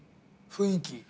雰囲気？